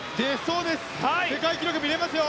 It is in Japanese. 世界記録、見れますよ。